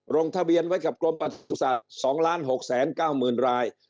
ลงทะเบียนไว้กับกรมศาสตร์๒๖๙๐๐ราย